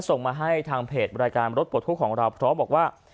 ส่งมาให้ทางเพจบริการรถปลดทุกข์ของเราพร้อมบอกว่า